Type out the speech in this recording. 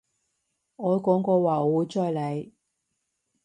我講過話我會追你